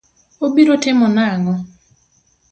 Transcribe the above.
Obiro timo nang'o?